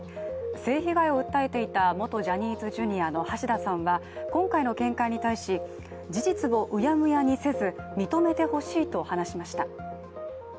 性被害を訴えていた元ジャニーズＪｒ．の橋田さんは今回の見解に対し、事実をうやむやにせず認めてほしいと話しました。